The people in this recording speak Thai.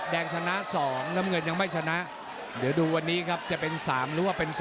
ชนะ๒น้ำเงินยังไม่ชนะเดี๋ยวดูวันนี้ครับจะเป็น๓หรือว่าเป็น๒